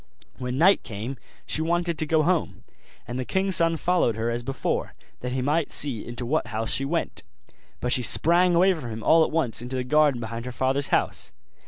When night came she wanted to go home; and the king's son followed here as before, that he might see into what house she went: but she sprang away from him all at once into the garden behind her father's house.